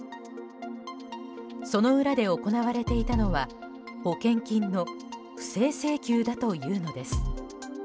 その裏で行われていたのは保険金の不正請求だというのです。